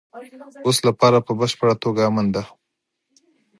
اوس لاره په بشپړه توګه امن ده.